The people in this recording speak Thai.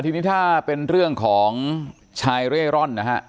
ทีนี้ถ้าเป็นเรื่องของชายเร่ร่อนนะฮะ